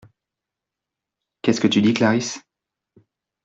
Qu’est-ce que tu dis Clarisse ?